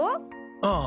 ああ。